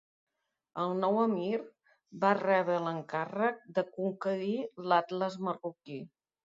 El nou emir va rebre l'encàrrec de conquerir l'Atles marroquí.